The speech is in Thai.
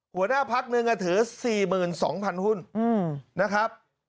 หัวหน้าพักหนึ่งถือ๔๒๐๐หุ้นนะครับ